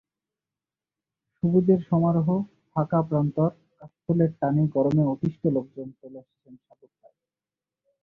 সবুজের সমারোহ, ফাঁকা প্রান্তর, কাশফুলের টানে গরমে অতিষ্ঠ লোকজন চলে আসছেন সাগুফতায়।